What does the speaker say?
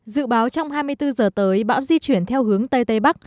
dự báo trong hai mươi bốn giờ tới bão di chuyển theo hướng tây tây bắc